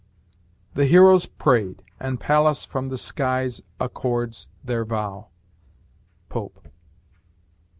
"The heroes prayed, and Pallas from the skies Accords their vow." Pope.